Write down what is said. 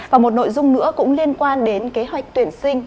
và một nội dung nữa cũng liên quan đến kế hoạch tuyển sinh